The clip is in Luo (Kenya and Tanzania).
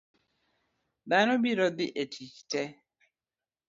Dhano biro dhi e tich ke